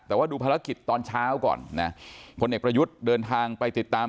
แต่ว่าดูภารกิจตอนเช้าก่อนนะพลเอกประยุทธ์เดินทางไปติดตาม